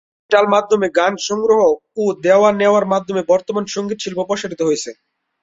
Digital মাধ্যমে গান সংগ্রহ ও দেয়া-নেয়ার মাধ্যমে বর্তমান সঙ্গীত শিল্প প্রসারিত হয়েছে।